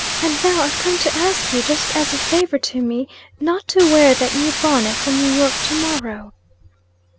And now I've come to ask yez, just as a favor to me, not to wear that new bonnet from New York, to morrow."